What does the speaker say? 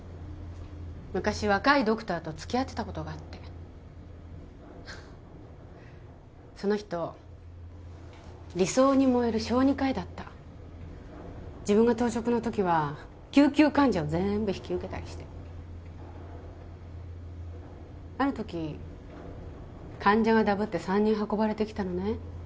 昔若いドクターとつきあってたことがあってその人理想に燃える小児科医だった自分が当直のときは救急患者を全部引き受けたりしてあるとき患者がだぶって三人運ばれてきたのね